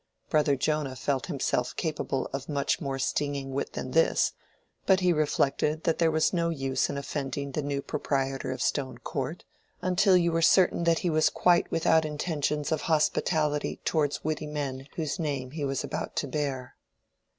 Brother Jonah felt himself capable of much more stinging wit than this, but he reflected that there was no use in offending the new proprietor of Stone Court, until you were certain that he was quite without intentions of hospitality towards witty men whose name he was about to bear.